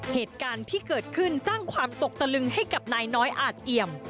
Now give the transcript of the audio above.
เหตุการณ์ที่เกิดขึ้นสร้างความตกตะลึงให้กับนายน้อยอาจเอี่ยม